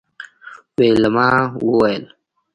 ویلما وویل